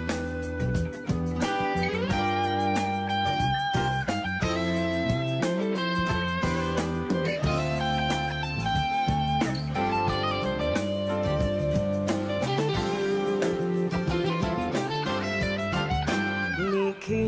เราตามก็คิดเรารักนี้